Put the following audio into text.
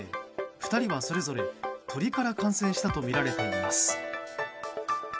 ２人はそれぞれ鳥から感染したとみられています。